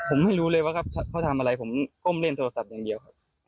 ผมไม่รู้เลยว่าเขาทำอะไรผมก้มเล่นโทรศัพท์อย่างเดียวครับ